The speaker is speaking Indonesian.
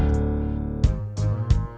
warir semuaan tolong berhenti